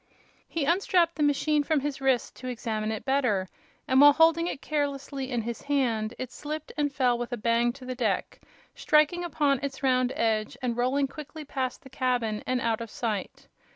He unstrapped the machine from his wrist to examine it better, and while holding it carelessly in his hand it slipped and fell with a bang to the deck, striking upon its round edge and rolling quickly past the cabin and out of sight.